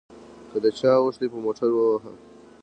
که د چا اوښ دې په موټر ووهه.